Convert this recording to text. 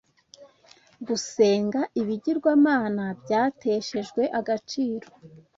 gusenga ibigirwamana byateshejwe agaciro